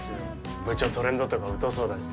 部長トレンドとか疎そうだし。